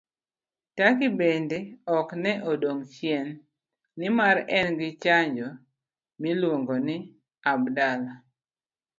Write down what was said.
Turkey bende ok ne odong' chien, nimar en gi chanjo miluongo ni Abdala.